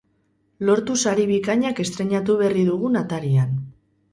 Lortu sari bikainak estreinatu berri dugun atarian.